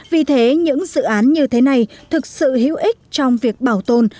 vì thế những dự án như thế này thực sự hữu ích trong việc bảo tồn